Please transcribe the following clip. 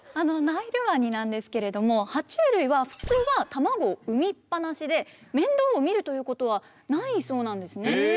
ナイルワニなんですけれどもは虫類は普通は卵を産みっぱなしで面倒を見るということはないそうなんですね。